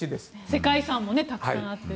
世界遺産もたくさんあって。